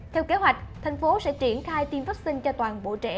theo kế hoạch thành phố sẽ triển khai tiêm vaccine cho toàn bộ trẻ